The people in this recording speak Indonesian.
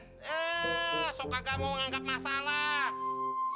iya sokak gak mau nganggap masalah